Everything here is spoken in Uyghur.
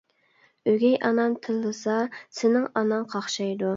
ئۆگەي ئانام تىللىسا، سېنىڭ ئاناڭ قاقشايدۇ.